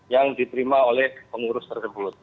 yang diterima oleh pengurus tersebut